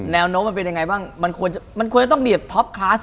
แนวโน้มมันเป็นยังไงบ้างมันควรจะต้องมีท็อปคลาส